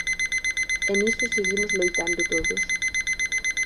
E niso seguimos loitando todos.